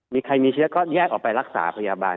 มีใครมีเชื้อก็แยกออกไปรักษาพยาบาล